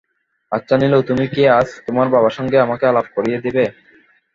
আচ্ছা নীলু, তুমি কি আজ তোমার বাবার সঙ্গে আমাকে আলাপ করিয়ে দেবে?